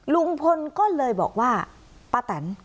ลุงพลก็เลยบอกว่าป้าแตน